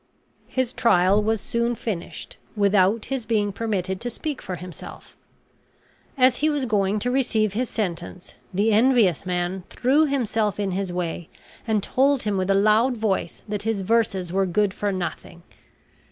His trial was soon finished, without his being permitted to speak for himself. As he was going to receive his sentence, the envious man threw himself in his way and told him with a loud voice that his verses were good for nothing.